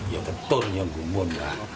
ya betul yang ngumun lah